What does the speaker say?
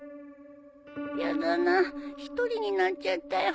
やだな一人になっちゃったよ